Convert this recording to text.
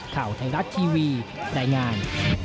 ข่าวไทยรัฐทีวีรายงาน